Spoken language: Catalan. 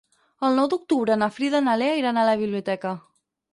El nou d'octubre na Frida i na Lea iran a la biblioteca.